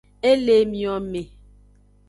E le emiome.